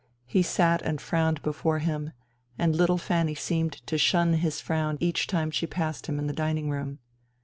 He sat and frowned before him, and little Fanny seemed to shun his frown each time she passed him in the dining room.